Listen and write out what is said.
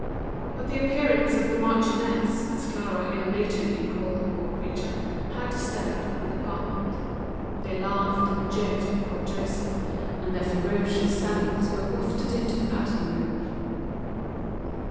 But the appearance of the marchioness, as Clara ill naturedly called her, had disturbed the department. They laughed and joked at poor Joseph, their ferocious sallies could be heard in the pattern room.